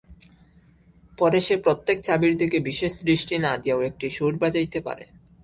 পরে সে প্রত্যেক চাবির দিকে বিশেষ দৃষ্টি না দিয়াও একটি সুর বাজাইতে পারে।